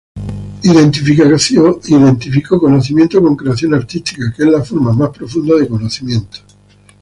Identificó conocimiento con creación artística, que es la forma más profunda de conocimiento.